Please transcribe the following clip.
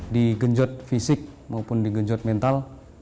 digenjot fisik maupun digenjot mental